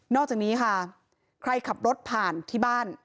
อกจากนี้ค่ะใครขับรถผ่านที่บ้าน